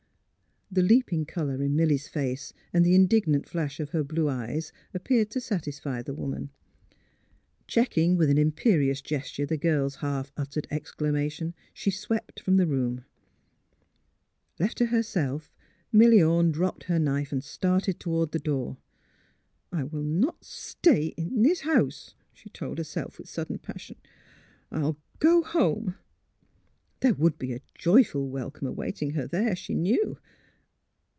The leaping colour in Milly 's face and the in dignant flash of her blue eyes appeared to satisfy the woman. Checking with an imperious gesture the girl 's half uttered exclamation, she swept from the room. 170 THE HEART OF PHILURA Left to herself, Milly Orne dropped her knife and started toward the door. " I will not stay in this house," she told herself, with sudden passion. '* I will go home! " There would be a joyful welcome awaiting her there, she knew.